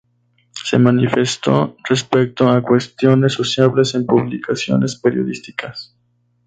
Se manifestó respecto a cuestiones sociales en publicaciones periodísticas.